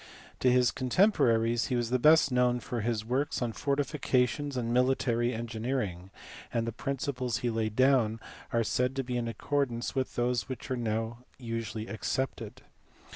To his contemporaries he was best known for his works on fortifications and military engineering, and the principles he laid down are said to be in accordance with those which are now usually accepted.